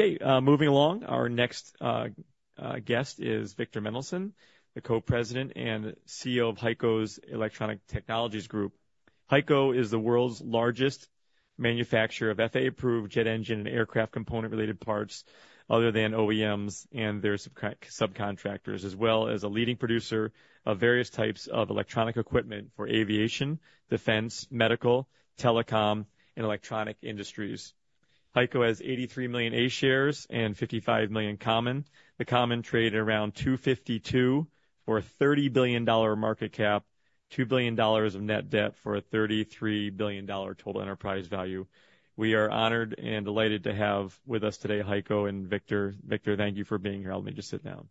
Okay, moving along. Our next guest is Victor Mendelson, the Co-President and CEO of HEICO's Electronic Technologies Group. HEICO is the world's largest manufacturer of FAA-approved jet engine and aircraft component-related parts, other than OEMs and their subcontractors, as well as a leading producer of various types of electronic equipment for aviation, defense, medical, telecom, and electronic industries. HEICO has 83 million A shares and 55 million common. The common trade around $252 for a $30 billion market cap, $2 billion of net debt for a $33 billion total enterprise value. We are honored and delighted to have with us today, HEICO and Victor. Victor, thank you for being here. Let me just sit down.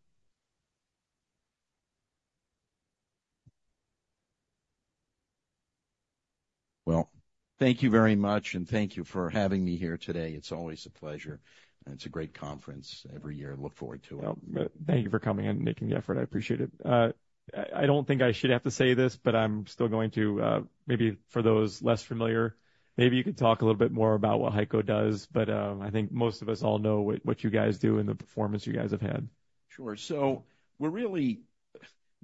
Thank you very much, and thank you for having me here today. It's always a pleasure, and it's a great conference every year. I look forward to it. Well, thank you for coming and making the effort. I appreciate it. I don't think I should have to say this, but I'm still going to, maybe for those less familiar, maybe you could talk a little bit more about what HEICO does, but, I think most of us all know what, what you guys do and the performance you guys have had. Sure.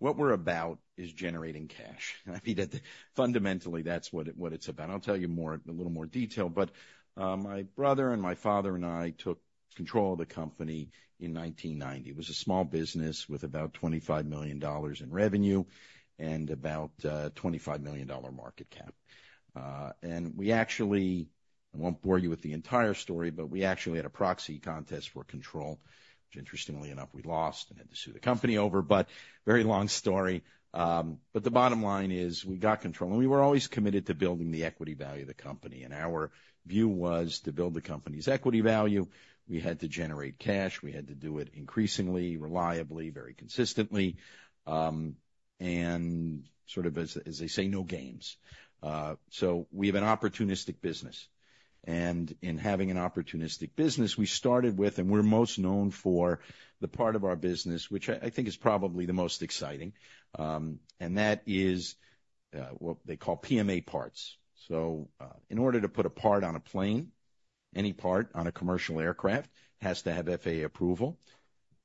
What we're about is generating cash. I mean, fundamentally, that's what it's about. I'll tell you more, in a little more detail, but my brother, and my father, and I took control of the company in 1990. It was a small business with about $25 million in revenue and about $25 million market cap. And we actually... I won't bore you with the entire story, but we actually had a proxy contest for control, which, interestingly enough, we lost and had to sue the company over. But very long story. But the bottom line is, we got control, and we were always committed to building the equity value of the company. And our view was, to build the company's equity value, we had to generate cash, we had to do it increasingly, reliably, very consistently, and sort of as they say, no games. So we have an opportunistic business, and in having an opportunistic business, we started with, and we're most known for, the part of our business, which I think is probably the most exciting, and that is what they call PMA parts. So, in order to put a part on a plane, any part on a commercial aircraft has to have FAA approval.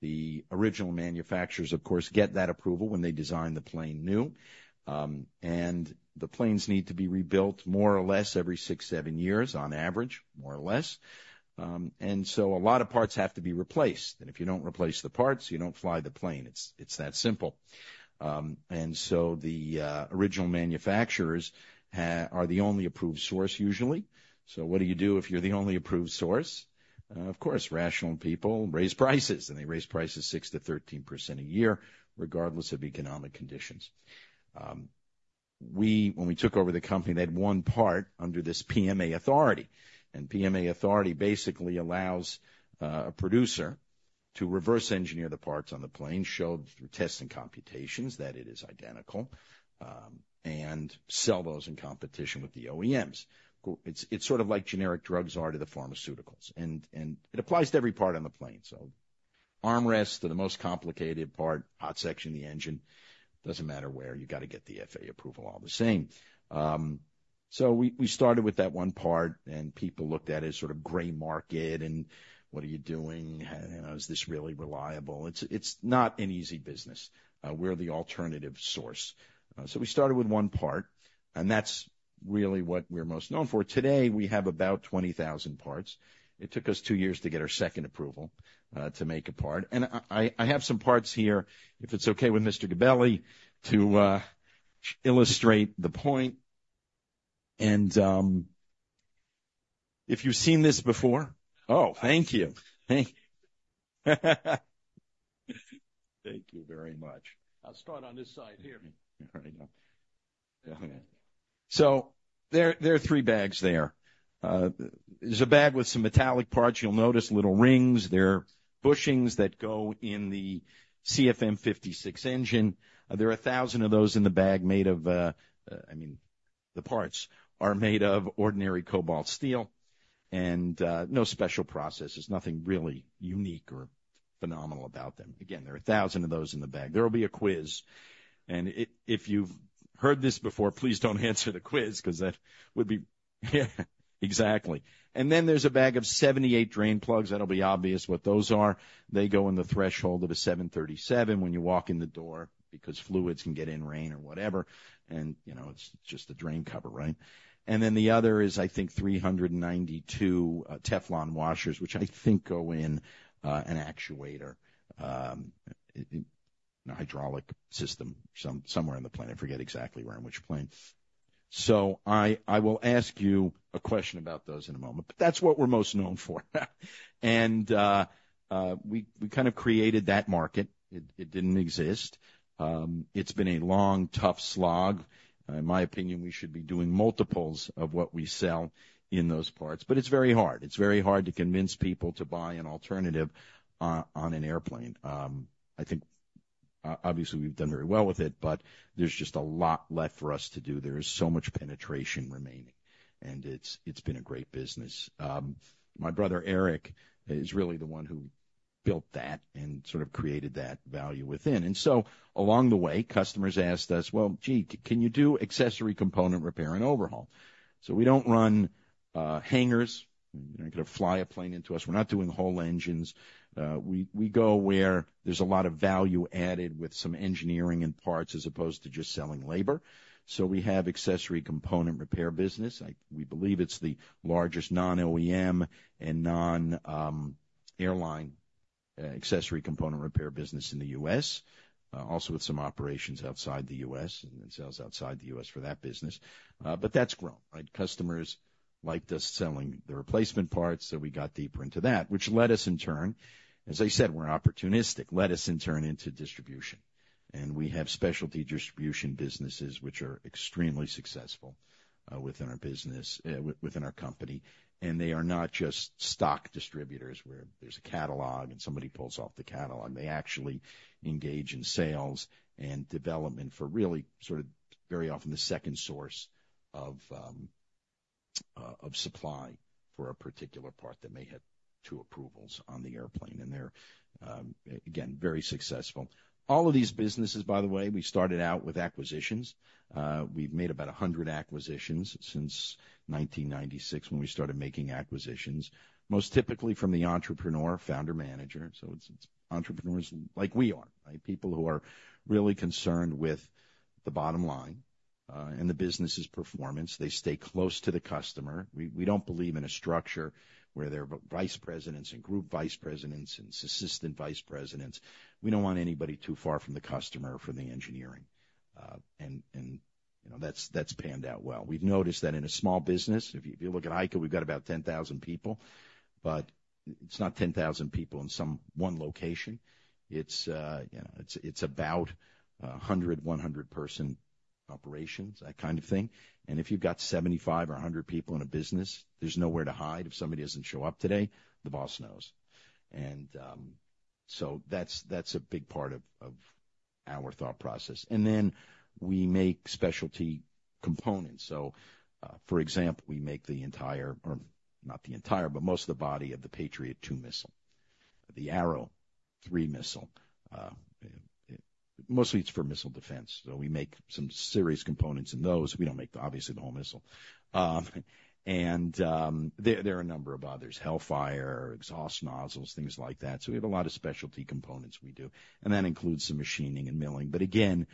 The original manufacturers, of course, get that approval when they design the plane new. And the planes need to be rebuilt more or less every 6, 7 years on average, more or less. And so a lot of parts have to be replaced, and if you don't replace the parts, you don't fly the plane. It's that simple. And so the original manufacturers are the only approved source, usually. So what do you do if you're the only approved source? Of course, rational people raise prices, and they raise prices 6%-13% a year, regardless of economic conditions. When we took over the company, they had one part under this PMA Authority, and PMA Authority basically allows a producer to reverse engineer the parts on the plane, show through tests and computations that it is identical, and sell those in competition with the OEMs. It's sort of like generic drugs are to the pharmaceuticals, and it applies to every part on the plane. So armrests to the most complicated part, hot section of the engine. Doesn't matter where, you got to get the FAA approval all the same. So we started with that one part, and people looked at it as sort of gray market, and what are you doing? Is this really reliable? It's not an easy business. We're the alternative source. So we started with one part, and that's really what we're most known for. Today, we have about 20,000 parts. It took us two years to get our second approval to make a part. And I have some parts here, if it's okay with Mr. Gabelli, to illustrate the point. And if you've seen this before... Oh, thank you. Thank you. Thank you very much. I'll start on this side here. All right, now. So there are three bags there. There's a bag with some metallic parts. You'll notice little rings. They're bushings that go in the CFM56 engine. There are 1,000 of those in the bag made of, I mean, the parts are made of ordinary cobalt steel and no special processes, nothing really unique or phenomenal about them. Again, there are 1,000 of those in the bag. There will be a quiz, and if you've heard this before, please don't answer the quiz, because that would be... Exactly. And then there's a bag of 78 drain plugs. That'll be obvious what those are. They go in the threshold of a 737 when you walk in the door, because fluids can get in, rain or whatever, and, you know, it's just a drain cover, right? And then the other is, I think, 392 Teflon washers, which I think go in an actuator in a hydraulic system, somewhere in the plane. I forget exactly where, in which plane. So I will ask you a question about those in a moment, but that's what we're most known for. And we kind of created that market. It didn't exist. It's been a long, tough slog. In my opinion, we should be doing multiples of what we sell in those parts, but it's very hard. It's very hard to convince people to buy an alternative on an airplane. I think, obviously, we've done very well with it, but there's just a lot left for us to do. There is so much penetration remaining, and it's been a great business. My brother, Eric, is really the one who built that and sort of created that value within. And so along the way, customers asked us, "Well, gee, can you do accessory component repair and overhaul?" So we don't run hangars. You're not gonna fly a plane into us. We're not doing whole engines. We go where there's a lot of value added with some engineering and parts, as opposed to just selling labor. So we have accessory component repair business. We believe it's the largest non-OEM and non-airline accessory component repair business in the U.S., also with some operations outside the U.S., and then sales outside the U.S. for that business. But that's grown, right? Customers liked us selling the replacement parts, so we got deeper into that, which led us, in turn, as I said, we're opportunistic, led us, in turn, into distribution. And we have specialty distribution businesses, which are extremely successful, within our business, within our company. And they are not just stock distributors, where there's a catalog, and somebody pulls off the catalog. They actually engage in sales and development for really, sort of, very often the second source of supply for a particular part that may have two approvals on the airplane, and they're, again, very successful. All of these businesses, by the way, we started out with acquisitions. We've made about 100 acquisitions since 1996, when we started making acquisitions, most typically from the entrepreneur, founder, manager. So it's, it's entrepreneurs like we are, right? People who are really concerned with the bottom line, and the business's performance. They stay close to the customer. We, we don't believe in a structure where there are vice presidents and group vice presidents and assistant vice presidents. We don't want anybody too far from the customer or from the engineering. And, you know, that's panned out well. We've noticed that in a small business, if you look at HEICO, we've got about 10,000 people, but it's not 10,000 people in some one location. You know, it's about 100, 100-person operations, that kind of thing. And if you've got 75 or 100 people in a business, there's nowhere to hide. If somebody doesn't show up today, the boss knows. So that's a big part of our thought process. And then we make specialty components. So, for example, we make the entire, or not the entire, but most of the body of the Patriot-2 missile, the Arrow 3 missile. Mostly it's for missile defense, so we make some serious components in those. We don't make, obviously, the whole missile. And there are a number of others, Hellfire, exhaust nozzles, things like that. So we have a lot of specialty components we do, and that includes some machining and milling, but again,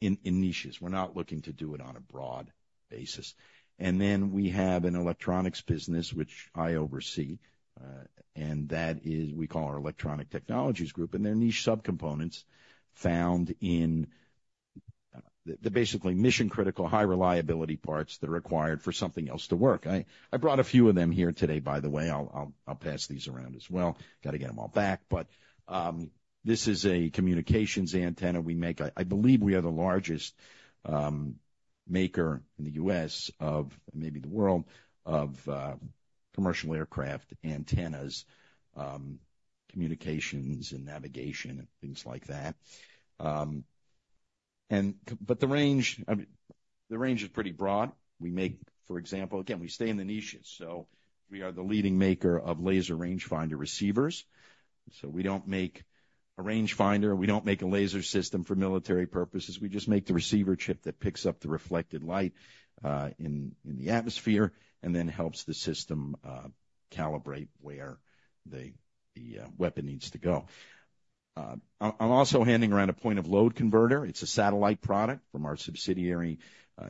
in niches, we're not looking to do it on a broad basis. And then we have an electronics business, which I oversee, and that is, we call our Electronic Technologies Group, and they're niche subcomponents found in the basically mission-critical, high-reliability parts that are required for something else to work. I brought a few of them here today, by the way. I'll pass these around as well. Got to get them all back. But this is a communications antenna we make. I believe we are the largest maker in the U.S. of, maybe the world, of commercial aircraft antennas, communications and navigation and things like that. But the range, I mean, the range is pretty broad. We make, for example, again, we stay in the niches, so we are the leading maker of laser rangefinder receivers. So we don't make a rangefinder. We don't make a laser system for military purposes. We just make the receiver chip that picks up the reflected light in the atmosphere, and then helps the system calibrate where the weapon needs to go. I'm also handing around a point-of-load converter. It's a satellite product from our subsidiary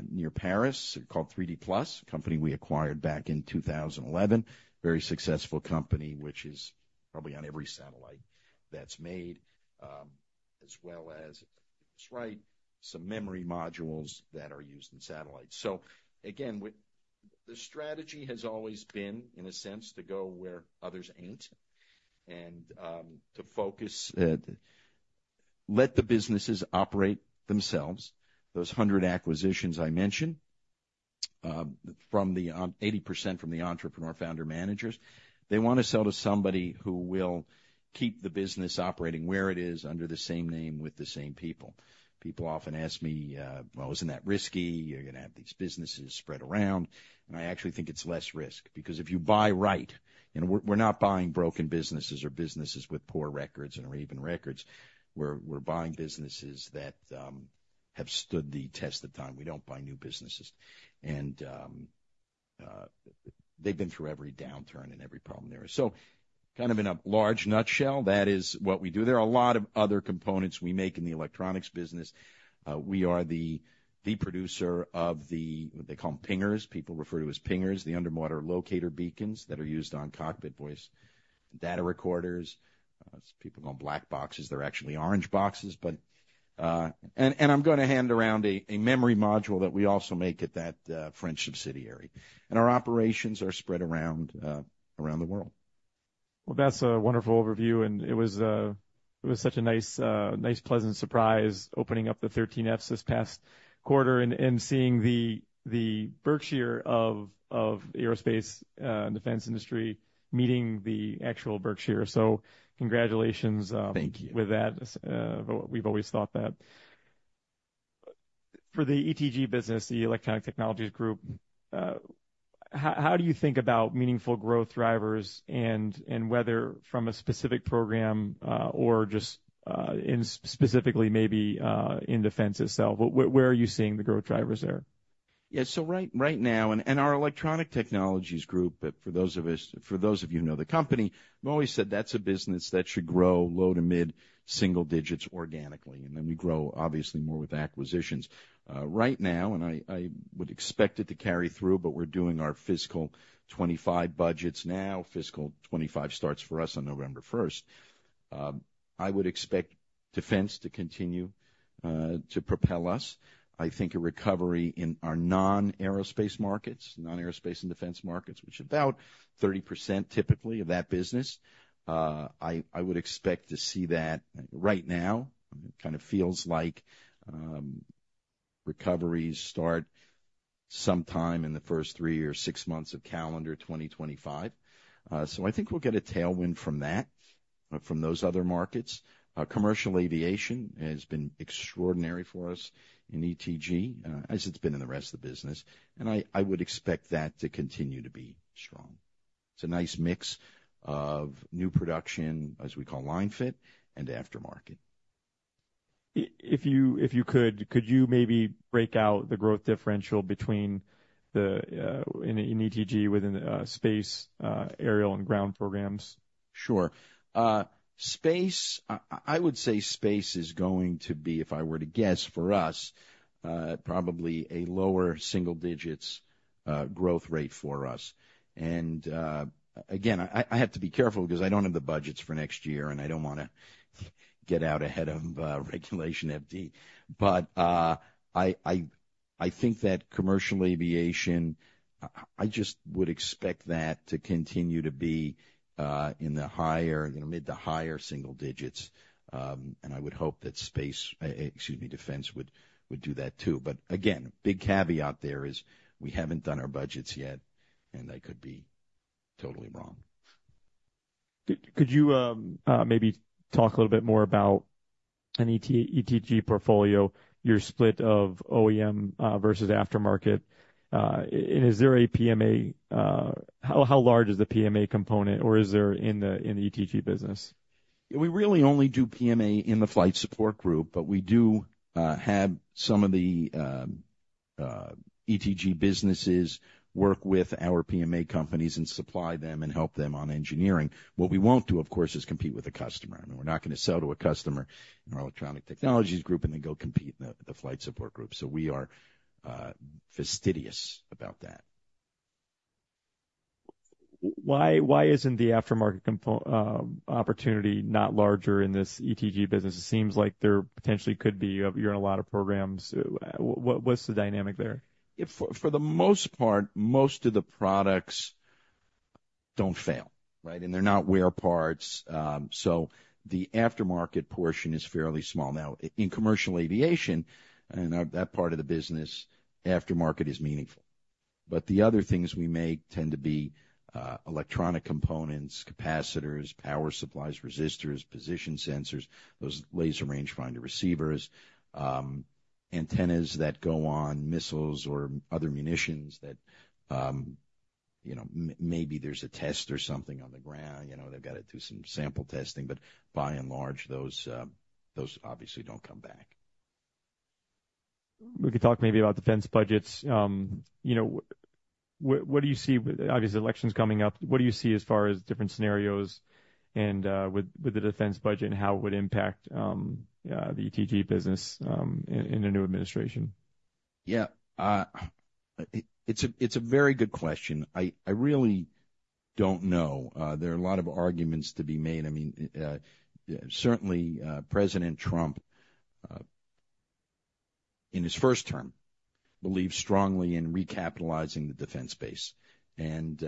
near Paris, called 3D PLUS, a company we acquired back in 2011. Very successful company, which is probably on every satellite that's made, as well as, if it's right, some memory modules that are used in satellites. So again, the strategy has always been, in a sense, to go where others ain't, and to focus, let the businesses operate themselves. Those 100 acquisitions I mentioned, from the 80% from the entrepreneur, founder, managers, they wanna sell to somebody who will keep the business operating where it is, under the same name, with the same people. People often ask me, "Well, isn't that risky? You're gonna have these businesses spread around." And I actually think it's less risk because if you buy right, and we're not buying broken businesses or businesses with poor records and or even records. We're buying businesses that have stood the test of time. We don't buy new businesses, and they've been through every downturn and every problem there is. So kind of in a large nutshell, that is what we do. There are a lot of other components we make in the electronics business. We are the producer of the what they call them pingers, people refer to as pingers, the underwater locator beacons that are used on cockpit voice data recorders. People call them black boxes. They're actually orange boxes, but... And I'm gonna hand around a memory module that we also make at that French subsidiary, and our operations are spread around the world. Well, that's a wonderful overview, and it was such a nice, nice, pleasant surprise opening up the 13Fs this past quarter and seeing the Berkshire of the aerospace and defense industry, meeting the actual Berkshire. So congratulations. Thank you. -with that. We've always thought that.... For the ETG business, the Electronic Technologies Group, how do you think about meaningful growth drivers and whether from a specific program or just in specifically maybe in defense itself? Where are you seeing the growth drivers there? Yeah. So right now and our Electronic Technologies Group, for those of you who know the company, we've always said that's a business that should grow low- to mid-single digits organically, and then we grow, obviously, more with acquisitions. Right now, and I would expect it to carry through, but we're doing our fiscal 2025 budgets now. Fiscal 2025 starts for us on November 1st. I would expect defense to continue to propel us. I think a recovery in our non-aerospace markets, non-aerospace and defense markets, which is about 30% typically of that business, I would expect to see that. Right now, it kind of feels like recoveries start sometime in the first three or six months of calendar 2025. So I think we'll get a tailwind from that, from those other markets. Our commercial aviation has been extraordinary for us in ETG, as it's been in the rest of the business, and I would expect that to continue to be strong. It's a nice mix of new production, as we call line fit, and aftermarket. If you could, could you maybe break out the growth differential in ETG within space, aerial, and ground programs? Sure. Space, I would say space is going to be, if I were to guess, for us, probably a lower single digits growth rate for us, and again, I think that commercial aviation, I just would expect that to continue to be in the higher, in the mid to higher single digits, and I would hope that space, excuse me, defense would do that, too, but again, big caveat there is we haven't done our budgets yet, and I could be totally wrong. But I have to be careful because I don't have the budgets for next year, and I don't want to get out ahead of Regulation FD. Could you maybe talk a little bit more about an ETG portfolio, your split of OEM versus aftermarket? And is there a PMA, how large is the PMA component, or is there in the ETG business? We really only do PMA in the Flight Support Group, but we do have some of the ETG businesses work with our PMA companies and supply them and help them on engineering. What we won't do, of course, is compete with the customer, and we're not going to sell to a customer in our Electronic Technologies Group and then go compete in the Flight Support Group. So we are fastidious about that. Why, why isn't the aftermarket component opportunity not larger in this ETG business? It seems like there potentially could be. You have you're in a lot of programs. What's the dynamic there? For the most part, most of the products don't fail, right? And they're not wear parts, so the aftermarket portion is fairly small. Now, in commercial aviation, and that part of the business, aftermarket is meaningful. But the other things we make tend to be electronic components, capacitors, power supplies, resistors, position sensors, those laser range finder receivers, antennas that go on missiles or other munitions that, you know, maybe there's a test or something on the ground, you know, they've got to do some sample testing, but by and large, those, those obviously don't come back. We could talk maybe about defense budgets. You know, what do you see with... Obviously, the election's coming up. What do you see as far as different scenarios and with the defense budget and how it would impact the ETG business in a new administration? Yeah. It's a very good question. I really don't know. There are a lot of arguments to be made. I mean, certainly, President Trump in his first term believed strongly in recapitalizing the defense base. And,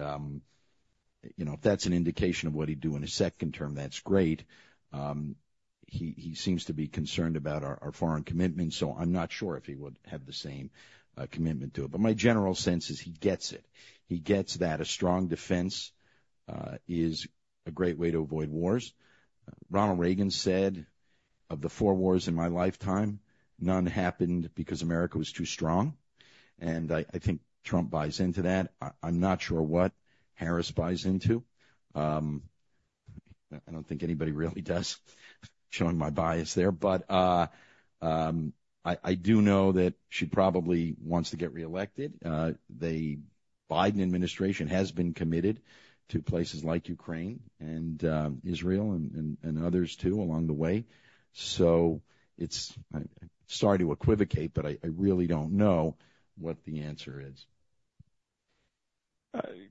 you know, if that's an indication of what he'd do in a second term, that's great. He seems to be concerned about our foreign commitments, so I'm not sure if he would have the same commitment to it. But my general sense is he gets it. He gets that a strong defense is a great way to avoid wars. Ronald Reagan said, "Of the four wars in my lifetime, none happened because America was too strong." And I think Trump buys into that. I'm not sure what Harris buys into. I don't think anybody really does. Showing my bias there, but I do know that she probably wants to get reelected. The Biden administration has been committed to places like Ukraine and Israel and others, too, along the way. So it's... I'm sorry to equivocate, but I really don't know what the answer is.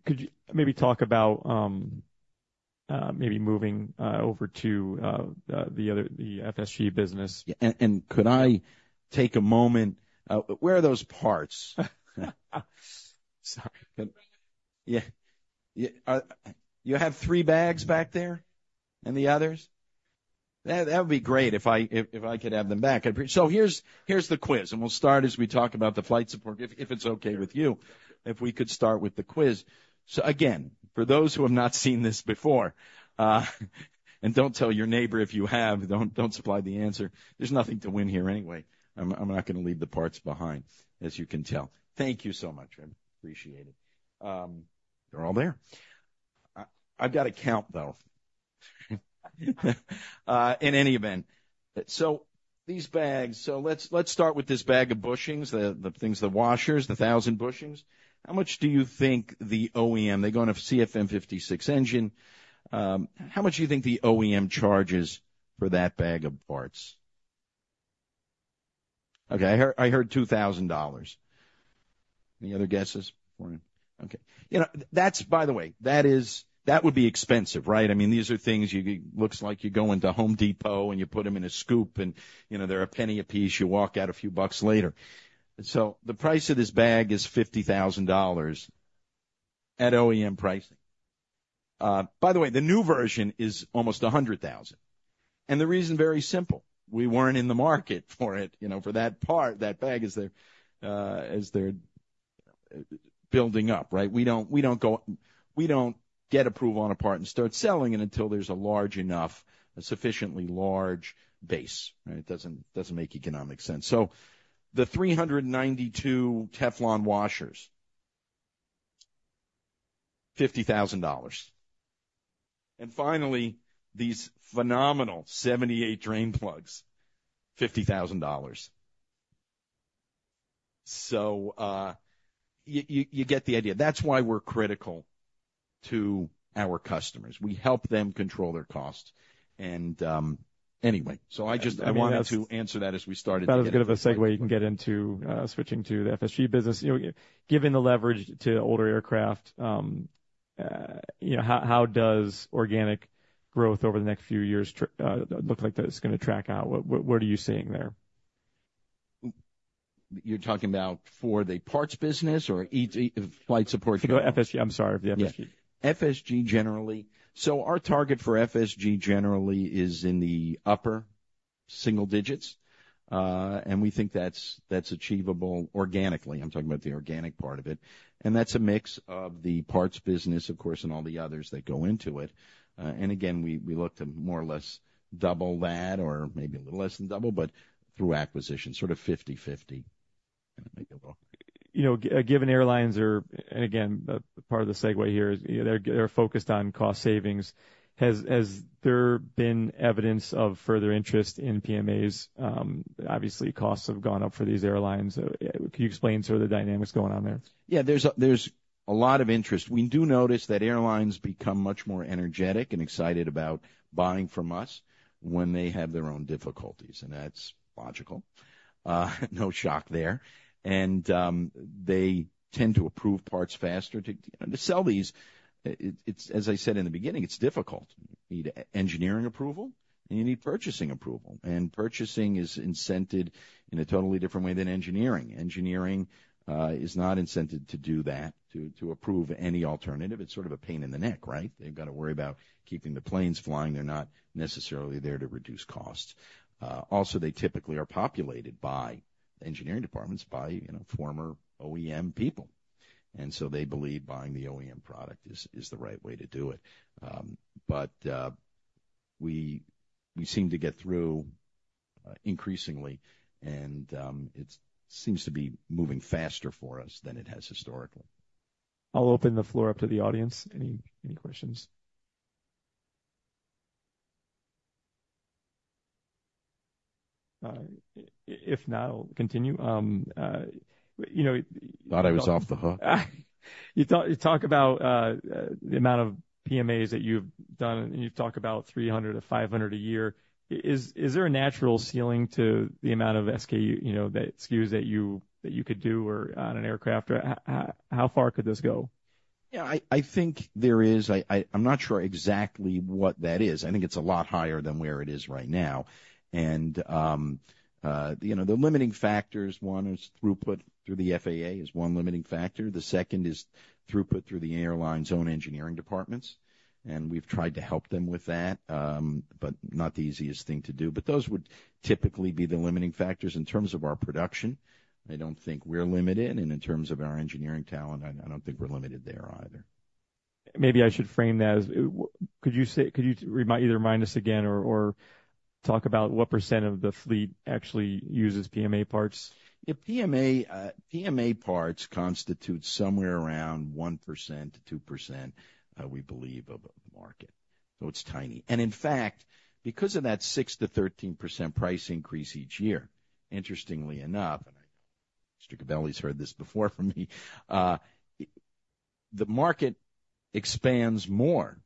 Could you maybe talk about maybe moving over to the other FSG business? Could I take a moment? Where are those parts? Sorry. Yeah. You have three bags back there and the others? That would be great if I could have them back. So here's the quiz, and we'll start as we talk about the flight support, if it's okay with you, if we could start with the quiz. So again, for those who have not seen this before, and don't tell your neighbor if you have. Don't supply the answer. There's nothing to win here anyway. I'm not gonna leave the parts behind, as you can tell. Thank you so much. I appreciate it. They're all there. I've got to count, though. In any event, so these bags. Let's start with this bag of bushings, the things, the washers, a thousand bushings. How much do you think the OEM charges for that bag of parts? They go on a CFM56 engine. Okay, I hear $2,000. Any other guesses? Okay. You know, that's, by the way, that is that would be expensive, right? I mean, these are things you go into Home Depot, and you put them in a scoop, and, you know, they're a penny apiece. You walk out a few bucks later. The price of this bag is $50,000 at OEM pricing. By the way, the new version is almost $100,000, and the reason very simple, we weren't in the market for it, you know, for that part. That bag is there as they're building up, right? We don't get approval on a part and start selling it until there's a large enough, a sufficiently large base, right? It doesn't make economic sense. So the 392 Teflon washers, $50,000. And finally, these phenomenal 78 drain plugs, $50,000. So you get the idea. That's why we're critical to our customers. We help them control their costs. And anyway, so I just wanted to answer that as we started. That was a bit of a segue you can get into, switching to the FSG business. You know, given the leverage to older aircraft, you know, how does organic growth over the next few years look like that's gonna track out? What are you seeing there? You're talking about, for the parts business or flight support? For FSG. I'm sorry, for the FSG. FSG, generally. Our target for FSG generally is in the upper single digits, and we think that's achievable organically. I'm talking about the organic part of it, and that's a mix of the parts business, of course, and all the others that go into it. And again, we look to more or less double that or maybe a little less than double, but through acquisition, sort of 50/50. You know, given airlines are, and again, part of the segue here is, you know, they're focused on cost savings, has there been evidence of further interest in PMAs? Obviously, costs have gone up for these airlines. So, can you explain sort of the dynamics going on there? Yeah, there's a lot of interest. We do notice that airlines become much more energetic and excited about buying from us when they have their own difficulties, and that's logical. No shock there, and they tend to approve parts faster. To sell these, it's as I said in the beginning, it's difficult. You need engineering approval, and you need purchasing approval, and purchasing is incented in a totally different way than engineering. Engineering is not incented to do that, to approve any alternative. It's sort of a pain in the neck, right? They've got to worry about keeping the planes flying. They're not necessarily there to reduce costs. Also, they typically are populated by engineering departments, by, you know, former OEM people, and so they believe buying the OEM product is the right way to do it. But we seem to get through increasingly, and it seems to be moving faster for us than it has historically. I'll open the floor up to the audience. Any questions? If not, I'll continue. You know- Thought I was off the hook? You talk about the amount of PMAs that you've done, and you've talked about 300-500 a year. Is there a natural ceiling to the amount of SKU, you know, the SKUs that you could do or on an aircraft? How far could this go? Yeah, I think there is. I'm not sure exactly what that is. I think it's a lot higher than where it is right now. And, you know, the limiting factors, one is throughput through the FAA, is one limiting factor. The second is throughput through the airline's own engineering departments, and we've tried to help them with that, but not the easiest thing to do. But those would typically be the limiting factors. In terms of our production, I don't think we're limited, and in terms of our engineering talent, I don't think we're limited there either. Maybe I should frame that as, could you remind us again or talk about what % of the fleet actually uses PMA parts? Yeah, PMA parts constitute somewhere around 1%-2%, we believe, of the market, so it's tiny. And in fact, because of that 6%-13% price increase each year, interestingly enough, and I know Mr. Gabelli's heard this before from me, the market expands more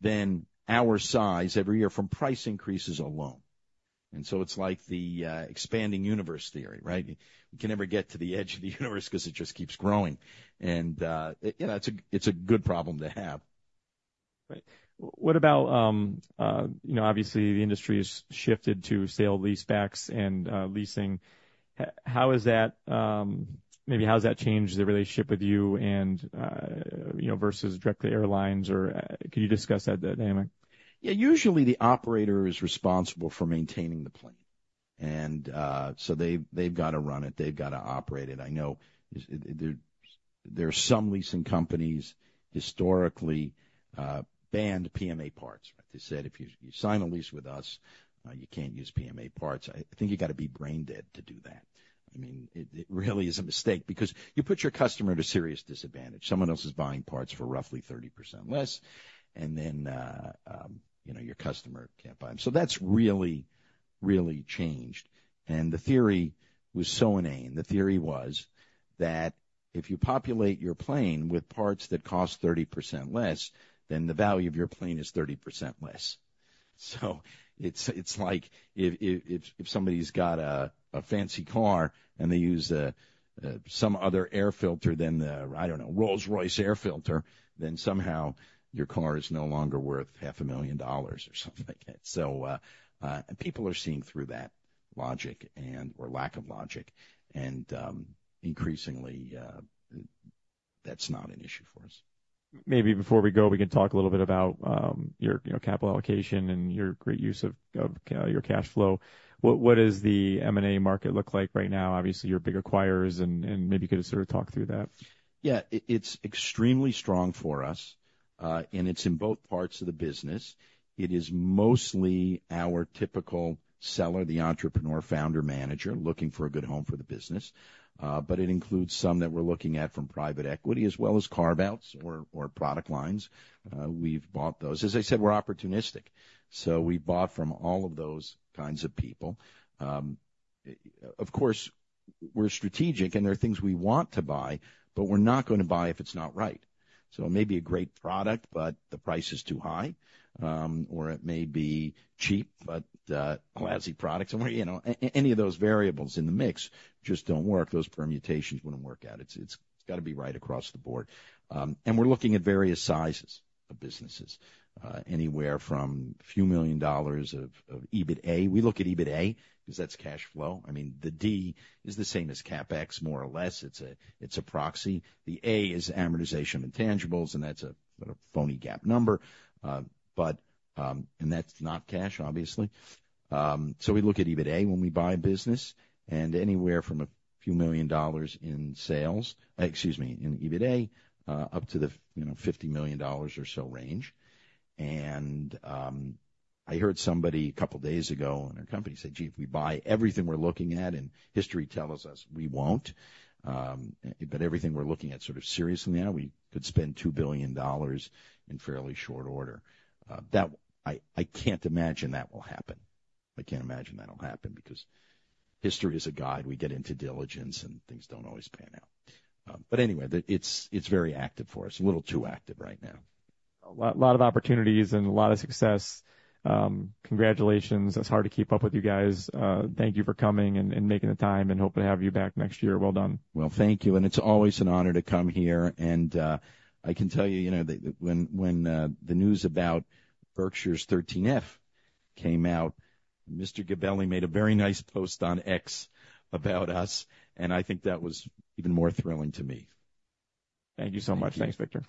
than our size every year from price increases alone. And so it's like the expanding universe theory, right? You can never get to the edge of the universe because it just keeps growing. And, you know, it's a good problem to have. Right. What about, you know, obviously, the industry has shifted to sale-leasebacks and leasing. How is that, maybe how has that changed the relationship with you and, you know, versus directly airlines, or, can you discuss that dynamic? Yeah, usually the operator is responsible for maintaining the plane, and so they've got to run it, they've got to operate it. I know, there are some leasing companies historically that banned PMA parts. They said, "If you sign a lease with us, you can't use PMA parts." I think you got to be brain dead to do that. I mean, it really is a mistake, because you put your customer at a serious disadvantage. Someone else is buying parts for roughly 30% less, and then, you know, your customer can't buy them. So that's really, really changed, and the theory was so inane. The theory was that if you populate your plane with parts that cost 30% less, then the value of your plane is 30% less. So it's like if somebody's got a fancy car and they use some other air filter than the, I don't know, Rolls-Royce air filter, then somehow your car is no longer worth $500,000 or something like that. People are seeing through that logic and or lack of logic, and increasingly, that's not an issue for us. Maybe before we go, we can talk a little bit about, your, you know, capital allocation and your great use of your cash flow. What does the M&A market look like right now? Obviously, you're big acquirers, and maybe you could sort of talk through that. Yeah, it's extremely strong for us, and it's in both parts of the business. It is mostly our typical seller, the entrepreneur, founder, manager, looking for a good home for the business. But it includes some that we're looking at from private equity, as well as carve-outs or product lines. We've bought those. As I said, we're opportunistic, so we bought from all of those kinds of people. Of course, we're strategic, and there are things we want to buy, but we're not going to buy if it's not right. So it may be a great product, but the price is too high, or it may be cheap, but classy products. And we, you know, any of those variables in the mix just don't work. Those permutations wouldn't work out. It's got to be right across the board. And we're looking at various sizes of businesses, anywhere from a few million dollars of EBITDA. We look at EBITDA, because that's cash flow. I mean, the D is the same as CapEx, more or less. It's a proxy. The A is amortization and tangibles, and that's a sort of phony GAAP number. But that's not cash, obviously. So we look at EBITDA when we buy a business, and anywhere from a few million dollars in sales, excuse me, in EBITDA, up to the, you know, $50 million or so range. I heard somebody a couple days ago in our company say, "Gee, if we buy everything we're looking at, and history tells us we won't, but everything we're looking at sort of seriously at, we could spend $2 billion in fairly short order." That I can't imagine will happen. I can't imagine that'll happen, because history is a guide. We get into diligence, and things don't always pan out. But anyway, it's very active for us, a little too active right now. A lot, lot of opportunities and a lot of success. Congratulations. It's hard to keep up with you guys. Thank you for coming and making the time, and hoping to have you back next year. Well done. Thank you, and it's always an honor to come here, and I can tell you, you know, when the news about Berkshire's 13F came out, Mr. Gabelli made a very nice post on X about us, and I think that was even more thrilling to me. Thank you so much. Thanks, Victor.